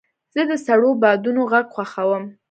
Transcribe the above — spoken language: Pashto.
زه د سړو بادونو غږ خوښوم.